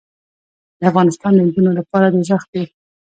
دافغانستان د نجونو لپاره دوزخ دې